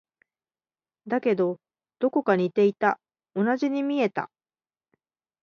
だけど、どこか似ていた。同じに見えた。